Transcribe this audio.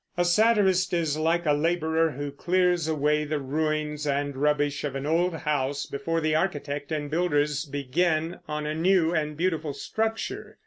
A satirist is like a laborer who clears away the ruins and rubbish of an old house before the architect and builders begin on a new and beautiful structure.